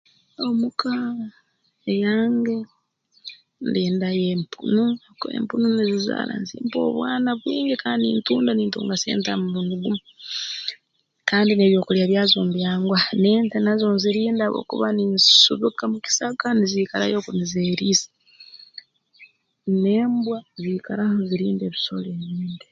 Omu ka eyange ndindayo empunu habwokuba empunu nzizaara nzimpa obwana bwingi kandi nintunda nintunga sente ha murundi gumu kandi n'ebyokulya byazo mbyanguha n'ente nazo nzirinda habwokuba ninzisubika mu kisaka niziikarayo oku nizeeriisa n'embwa ziikaaroho nizirinda ebisoro ebindi